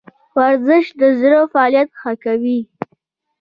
ورزش د زړه فعالیت ښه کوي